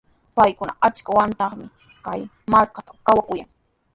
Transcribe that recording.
Paykuna achka watanami kay markatraw kawakuyan.